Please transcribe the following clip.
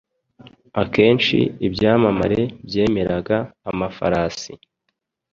Akenshi ibyamamare byemereraga amafarasi